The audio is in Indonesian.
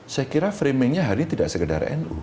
saya kira framingnya hari ini tidak sekedar nu